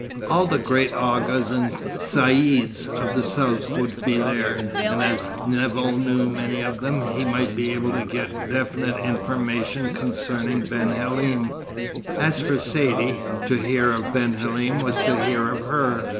All the great Aghas and Caïds of the south would be there, and as Nevill knew many of them, he might be able to get definite information concerning Ben Halim. As for Saidee to hear of Ben Halim was to hear of her.